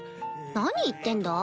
何言ってんだ？